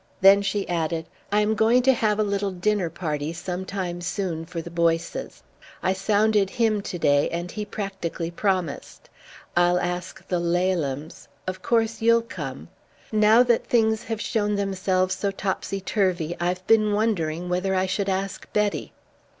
Then she added: "I am going to have a little dinner party some time soon for the Boyces. I sounded him to day and he practically promised. I'll ask the Lalehams. Of course you'll come. Now that things have shown themselves so topsy turvy I've been wondering whether I should ask Betty."